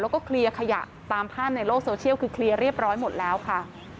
แล้วก็เคลียร์ขยะตามภาพในโลกโซเชียลคือเคลียร์เรียบร้อยหมดแล้วค่ะ